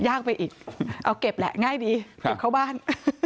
ไปอีกเอาเก็บแหละง่ายดีเก็บเข้าบ้าน